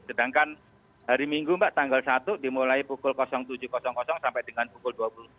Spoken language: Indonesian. sedangkan hari minggu mbak tanggal satu dimulai pukul tujuh sampai dengan pukul dua puluh